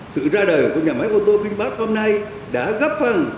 sự ra đời của nhà máy ô tô vinfast hôm nay đã góp phần